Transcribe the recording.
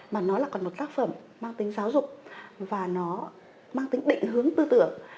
mà nó là còn một tác phẩm mang tính giáo dục và nó mang tính định hướng tư tưởng